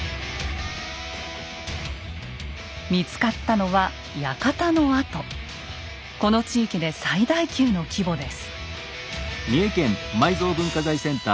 見つかったのはこの地域で最大級の規模です。